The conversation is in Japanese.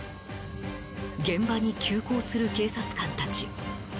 現場に急行する警察官たち。